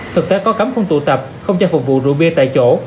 thực tế có cấm không tụ tập không cho phục vụ rượu bia tại chỗ